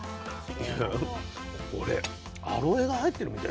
これアロエが入ってるみたいよ。